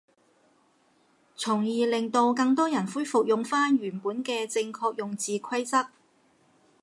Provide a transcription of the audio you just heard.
從而令到更多人恢復用返原本嘅正確用字規則